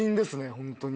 本当に。